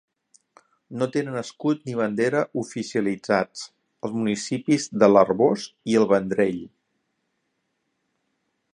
No tenen escut ni bandera oficialitzats els municipis de l'Arboç i el Vendrell.